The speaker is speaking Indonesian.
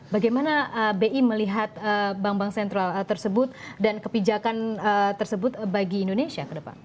bagaimana bi melihat bank bank sentral tersebut dan kebijakan tersebut bagi indonesia ke depan